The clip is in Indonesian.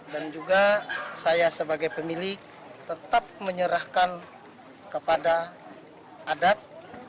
dan juga saya sebagai pemilik tetap menyerahkan kepada adat